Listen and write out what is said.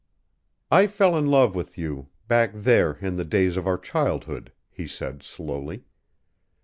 "I fell in love with you back there in the days of our childhood," he said slowly.